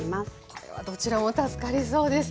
これはどちらも助かりそうです。